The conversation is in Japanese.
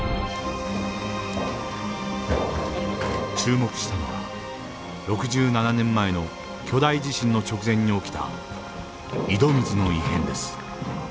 注目したのは６７年前の巨大地震の直前に起きた井戸水の異変です。